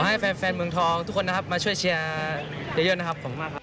ขอให้แฟนเมืองทองทุกคนนะครับมาช่วยเชียร์เยอะนะครับ